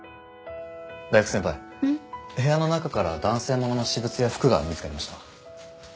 大福先輩部屋の中から男性物の私物や服が見つかりました。